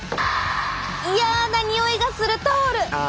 嫌なにおいがするタオル！